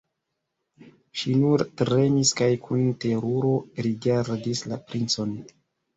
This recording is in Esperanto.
Ŝi nur tremis kaj kun teruro rigardis la princon.